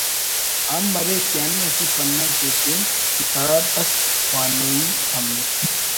ہم مریک یعنی اسہ پنہ اسے کن کتاب اس خوانوئی تمک